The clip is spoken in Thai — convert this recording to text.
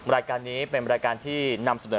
รายการนี้เป็นรายการที่นำเสนอ